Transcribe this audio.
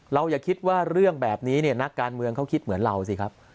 อย่าคิดว่าเรื่องแบบนี้เนี่ยนักการเมืองเขาคิดเหมือนเราสิครับ